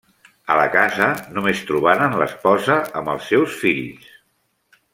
A la casa només trobaren l’esposa amb els seus fills.